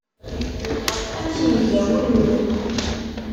Amek iga wul-nwen?